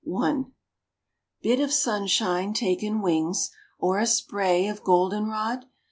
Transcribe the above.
I. Bit of sunshine taken wings, Or a spray of golden rod?